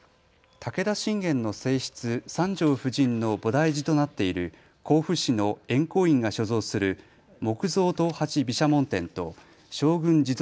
武田信玄の正室、三条夫人の菩提寺となっている甲府市の円光院が所蔵する木造刀八毘沙門天と勝軍地蔵